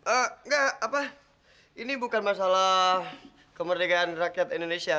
enggak apa ini bukan masalah kemerdekaan rakyat indonesia